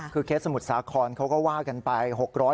คือเคสสมุทรสาครเขาก็ว่ากันไป